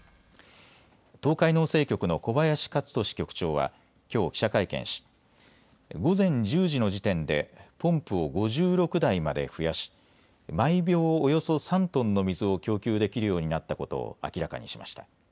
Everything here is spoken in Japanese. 東海農政局の小林勝利局長はきょう記者会見し午前１０時の時点でポンプを５６台まで増やし、毎秒およそ３トンの水を供給できるようになったことを明らかにしました。